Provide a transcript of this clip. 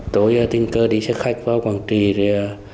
tôi tình cơ đi xe khách vào quảng trị